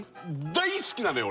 大好きなのよ